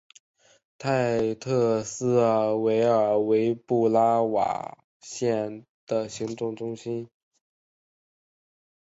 泰特斯维尔为布拉瓦县的行政中心。